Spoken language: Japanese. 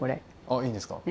あいいんですか？